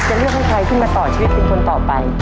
เลือกให้ใครขึ้นมาต่อชีวิตเป็นคนต่อไป